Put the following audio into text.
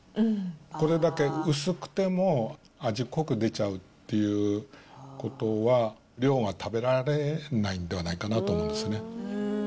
これだけ薄くても、味濃く出ちゃうっていうことは、量が食べられないんではないかなと思うんですね。